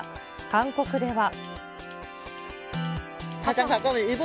韓国では。